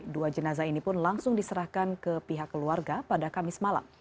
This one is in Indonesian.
dua jenazah ini pun langsung diserahkan ke pihak keluarga pada kamis malam